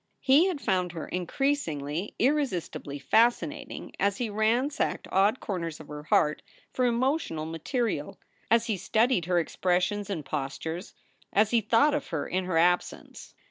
He had found her increasingly, irresistibly fascinating as he ransacked odd corners of her heart for emotional material ; as he studied her expressions and postures; as he thought of her in her absence.